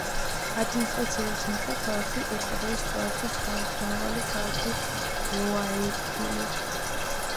ადმინისტრაციული ცენტრია ქალაქი ეკვადორის ყველაზე ხალხმრავალი ქალაქი გუაიაკილი.